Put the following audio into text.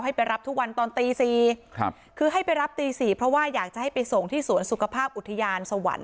ไปรับทุกวันตอนตีสี่ครับคือให้ไปรับตีสี่เพราะว่าอยากจะให้ไปส่งที่สวนสุขภาพอุทยานสวรรค์